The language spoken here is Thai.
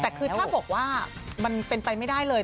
แต่คือถ้าบอกว่ามันเป็นไปไม่ได้เลย